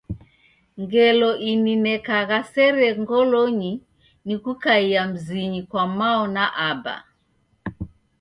Ngelo ininekagha sere ngolonyi ni kukaia mzinyi kwa mao na aba.